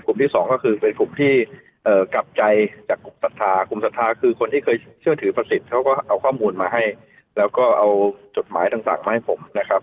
ที่สองก็คือเป็นกลุ่มที่กลับใจจากศรัทธากลุ่มศรัทธาคือคนที่เคยเชื่อถือประสิทธิ์เขาก็เอาข้อมูลมาให้แล้วก็เอาจดหมายต่างมาให้ผมนะครับ